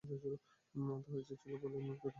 তাহার ইচ্ছা হইল, বলে, নোলকে তাহার দরকার নাই।